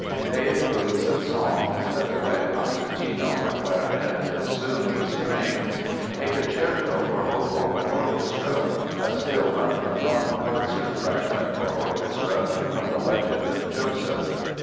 They include some songs, a duet concertino for clarinet and bassoon with strings, a concerto for oboe and orchestra, a still unperformed concert fragment for orchestra from the Legend of Joseph.